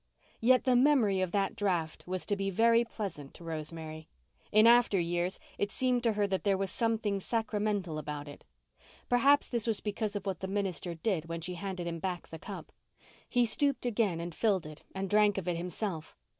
Yet the memory of that draught was to be very pleasant to Rosemary. In after years it seemed to her that there was something sacramental about it. Perhaps this was because of what the minister did when she handed him back the cup. He stooped again and filled it and drank of it himself.